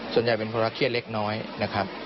ส่วนใหญ่เป็นภาระเครียดเล็กน้อยนะครับ